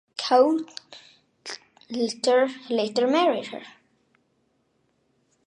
Coulter later married her.